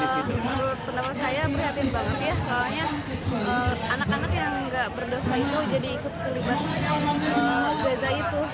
menurut pendapat saya prihatin banget ya soalnya anak anak yang gak berdosa itu jadi ikut terlibat gaza itu